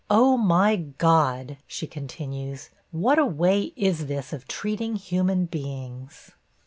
Oh! my God!' she continues, 'what a way is this of treating human beings?'